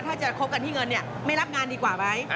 ถ้าจะคบกันที่เงินเนี่ยไม่รับงานดีกว่าไหม